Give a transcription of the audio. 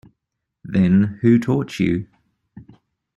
Then, who taught you?